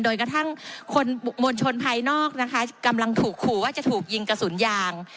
โดยกระทั่งคนมวลชนภายนอกนะคะกำลังถูกขู่ว่าจะถูกยิงกระสุนยาง